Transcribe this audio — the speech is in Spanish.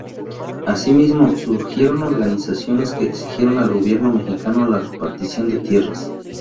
Asimismo, surgieron organizaciones que exigieron al gobierno mexicano la repartición de tierras.